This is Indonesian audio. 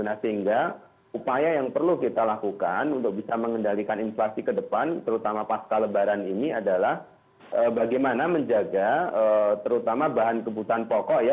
nah sehingga upaya yang perlu kita lakukan untuk bisa mengendalikan inflasi ke depan terutama pasca lebaran ini adalah bagaimana menjaga terutama bahan kebutuhan pokok ya